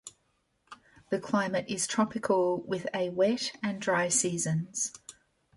The climate is tropical with a wet and dry seasons.